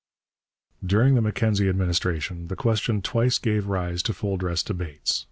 During the Mackenzie administration the question twice gave rise to full dress debates.